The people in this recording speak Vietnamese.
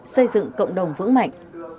xây dựng cộng đồng vững mạnh